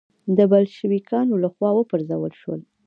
د بلشویکانو له خوا و پرځول شو.